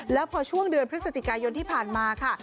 แล้วพอช่วงเดือนพฤศจิกายนที่ผ่านมาค่ะ